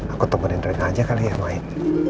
aku temenin rena aja kali ya main